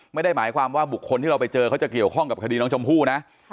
ไม่ได้หมายความว่าบุคคลที่เราไปเจอเขาจะเกี่ยวข้องกับคดีน้องชมพู่นะ